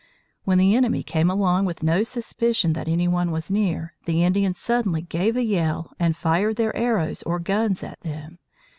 When the enemy came along with no suspicion that any one was near, the Indians suddenly gave a yell and fired their arrows or guns at them.